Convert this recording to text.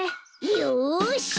よし！